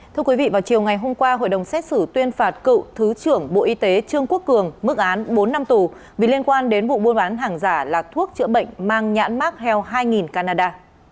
thưa quý vị vào chiều ngày hôm qua hội đồng xét xử tuyên phạt cựu thứ trưởng bộ y tế trương quốc cường mức án bốn năm tù vì liên quan đến vụ buôn bán hàng giả là thuốc chữa bệnh mang nhãn mark health hai canada